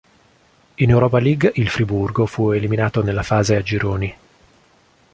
In Europa League il Friburgo fu eliminato nella fase a gironi.